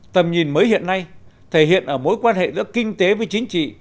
tầm nhìn mới hiện nay thể hiện ở mối quan hệ giữa kinh tế với chính trị